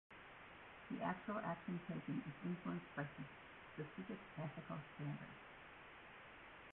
The actual action taken is influenced by specific ethical standards.